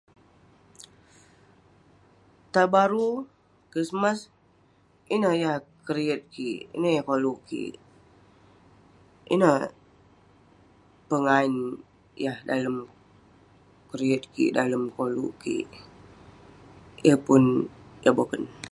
Tahun Baru, Krismas, ineh yah keriyet kik, ineh yah koluk kik. Ineh pengaen yah dalem keriyet kik, yah dalem koluk kik. Yeng pun yah boken.